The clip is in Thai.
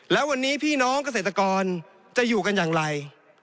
แล้ววันนี้พี่น้องเกษตรกรจะอยู่กันอย่างไร